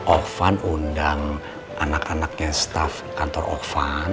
ovan undang anak anaknya staff kantor ovan